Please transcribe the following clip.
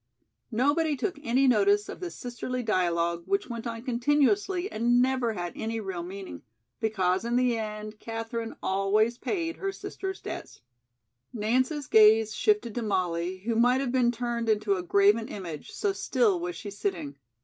Nobody took any notice of this sisterly dialogue which went on continuously and never had any real meaning, because in the end Katherine always paid her sister's debts. Nance's gaze shifted to Molly, who might have been turned into a graven image, so still was she sitting.